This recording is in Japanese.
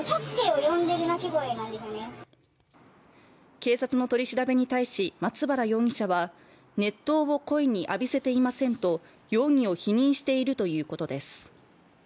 警察の取り調べに対し松原容疑者は熱湯を故意に浴びせていませんと容疑を否認しているということです。